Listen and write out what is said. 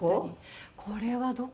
これはどこ？